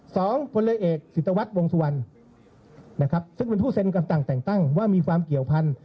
พลเรือเอกศิษฐวัฒน์วงสุวรรณนะครับซึ่งเป็นผู้เซ็นคำสั่งแต่งตั้งว่ามีความเกี่ยวพันธุ